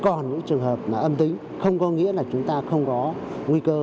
còn những trường hợp mà âm tính không có nghĩa là chúng ta không có nguy cơ